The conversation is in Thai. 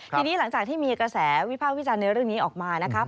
ทีนี้หลังจากที่มีกระแสวิภาควิจารณ์ในเรื่องนี้ออกมานะครับ